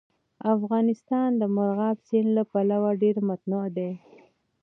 افغانستان د مورغاب سیند له پلوه ډېر متنوع دی.